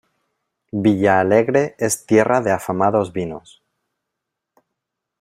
Villa Alegre es tierra de afamados vinos.